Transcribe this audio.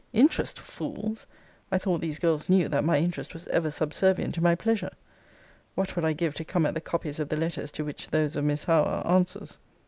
INTEREST, fools! I thought these girls knew, that my interest was ever subservient to my pleasure. What would I give to come at the copies of the letters to which those of Miss Howe are answers!